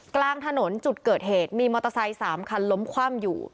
กลางถนนจุดเกิดเหตุมีมอเตอร์ไซค์๓คันล้มคว่ำอยู่